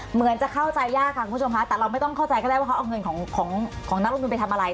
เหมือนจะเข้าใจยากค่ะคุณผู้ชมค่ะแต่เราไม่ต้องเข้าใจก็ได้ว่าเขาเอาเงินของนักลงทุนไปทำอะไร